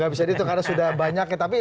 gak bisa dihitung karena sudah banyaknya tapi